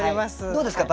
どうですか？